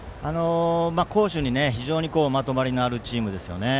攻守に非常にまとまりのあるチームです。